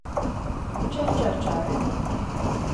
張着嘴，